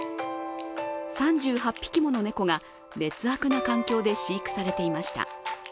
３８匹もの猫が劣悪な環境で飼育されていました。